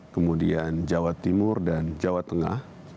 kemudian jawa timur dan jawa tengah